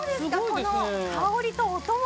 この香りと音も